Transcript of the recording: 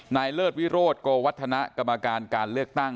เลิศวิโรธโกวัฒนะกรรมการการเลือกตั้ง